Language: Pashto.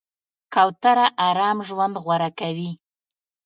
کوتره آرام ژوند غوره کوي.